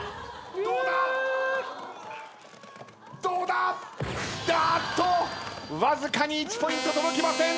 どうだ⁉どうだ⁉わずかに１ポイント届きません。